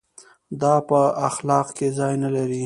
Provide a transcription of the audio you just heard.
دا په اخلاق کې ځای نه لري.